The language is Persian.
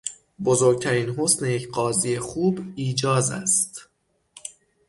بزرگترین حسن یک قاضی خوب ایجاز است.